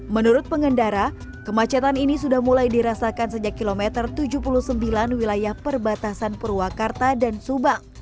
menurut pengendara kemacetan ini sudah mulai dirasakan sejak kilometer tujuh puluh sembilan wilayah perbatasan purwakarta dan subang